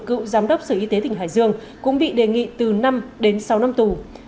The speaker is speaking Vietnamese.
cựu giám đốc sở y tế tỉnh hải dương cũng bị đề nghị từ năm đến sáu năm tù